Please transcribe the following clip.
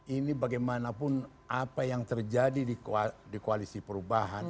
ini bagaimanapun apa yang terjadi di koalisi perubahan